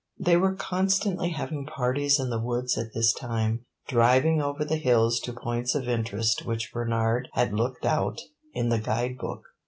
They were constantly having parties in the woods at this time driving over the hills to points of interest which Bernard had looked out in the guide book.